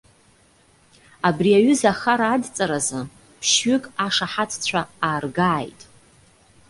Абри аҩыза ахара адҵаразы, ԥшьҩык ашаҳаҭцәа ааргааит.